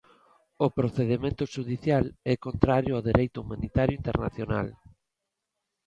O procedemento xudicial é contrario ao Dereito Humanitario Internacional.